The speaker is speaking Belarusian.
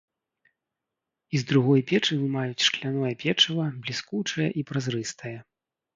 І з другой печы вымаюць шкляное печыва, бліскучае і празрыстае.